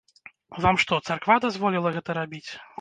Вам што, царква дазволіла гэта рабіць?